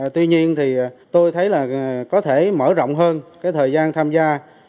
tuy nhiên tôi thấy có thể mở rộng hơn thời gian tham gia